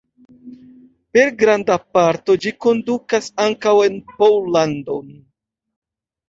Per granda parto ĝi kondukas ankaŭ en Pollandon.